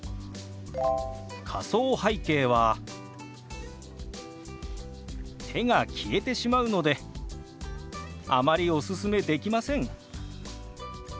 仮想背景は手が消えてしまうのであまりおすすめできません。